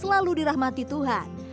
selalu dirahmati tuhan